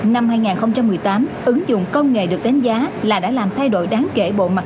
năm hai nghìn một mươi tám ứng dụng công nghệ được đánh giá là đã làm thay đổi đáng kể bộ mặt